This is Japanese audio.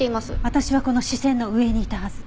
私はこの視線の上にいたはず。